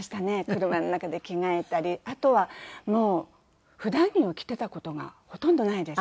車の中で着替えたりあとはもう普段着を着ていた事がほとんどないです。